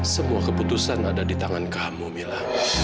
semua keputusan ada di tangan kamu mila